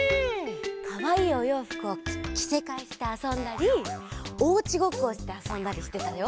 かわいいおようふくをきせかえしてあそんだりおうちごっこをしてあそんだりしてたよ。